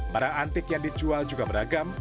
barang antik yang dijual juga beragam